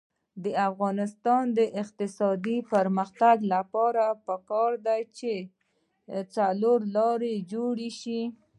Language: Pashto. د افغانستان د اقتصادي پرمختګ لپاره پکار ده چې څلورلارې جوړې شي.